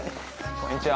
こんにちは。